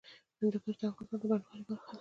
هندوکش د افغانستان د بڼوالۍ برخه ده.